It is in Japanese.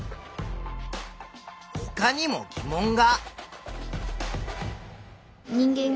ほかにも疑問が。